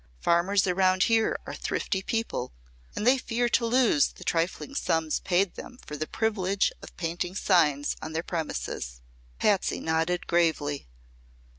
Farmers around here are thrifty people, and they fear to lose the trifling sums paid them for the privilege of painting signs on their premises." Patsy nodded gravely.